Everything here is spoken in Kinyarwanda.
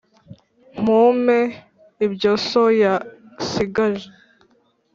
Mu mpe ibyo so ya sigaje